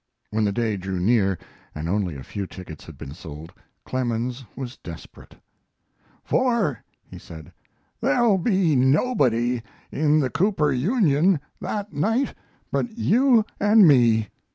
When the day drew near, and only a few tickets had been sold, Clemens was desperate. "Fuller," he said, "there'll be nobody in the Cooper Union that night but you and me.